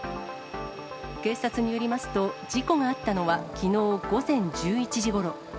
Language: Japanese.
警察によりますと、事故があったのはきのう午前１１時ごろ。